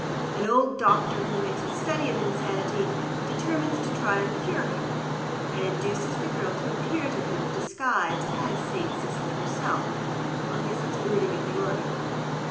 An old doctor, who makes a study of insanity, determines to try and cure him, and induces the girl to appear to him, disguised as St. Cecily herself, while he sits brooding at the organ.